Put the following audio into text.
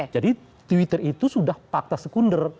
jadi twitter itu sudah fakta sekunder